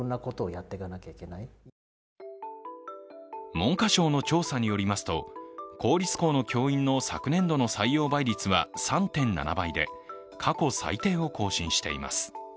文科省の調査によりますと公立校の教員の昨年度の採用倍率は３．７倍で、過去最低を更新しています。